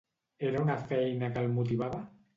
Era una feina que el motivava?